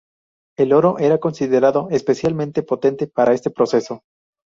El oro era considerado especialmente potente para este proceso.